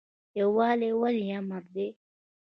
یووالی ولې امر دی؟